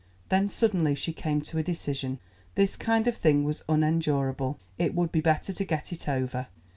Then suddenly she came to a decision. This kind of thing was unendurable; it would be better to get it over.